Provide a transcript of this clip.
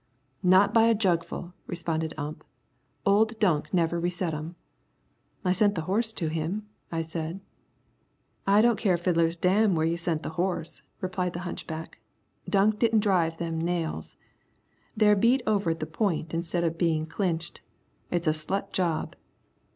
"Not by a jugful!" responded Ump. "Old Dunk never reset 'em." "I sent the horse to him," I said. "I don't care a fiddler's damn where you sent the horse," replied the hunchback. "Dunk didn't drive them nails. They're beat over at the point instead of being clinched. It's a slut job."